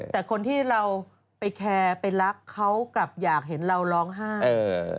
แต่คนที่เราไปแคร์ไปรักเขากลับอยากเห็นเราร้องไห้